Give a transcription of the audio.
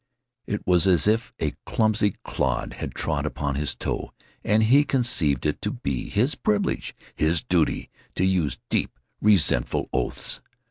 It was as if a clumsy clod had trod upon his toe and he conceived it to be his privilege, his duty, to use deep, resentful oaths.